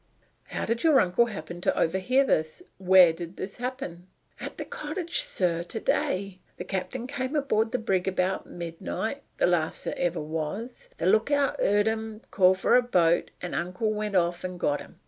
"How did your uncle happen to overhear this? Where did it happen?" "At the cottage, sir, to day. The cap'n came aboard the brig about midnight the last that ever was. The lookout heard him call for a boat, and uncle went off and got him.